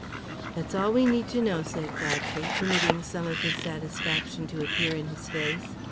"That's all we need to know," said Godfrey, permitting some of his satisfaction to appear in his face.